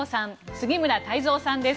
杉村太蔵さんです。